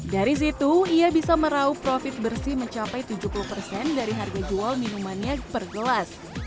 dari situ ia bisa merauh profit bersih mencapai tujuh puluh persen dari harga jual minumannya per gelas